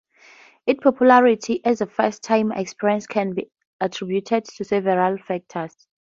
Its popularity as a first timer's experience can be attributed to several factors.